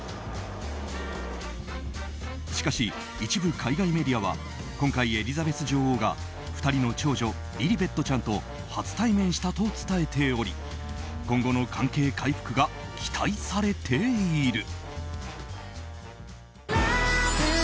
しかし、一部の海外メディアは今回エリザベス女王が２人の長女リリベットちゃんと初対面したと伝えており今後の関係回復が期待されている。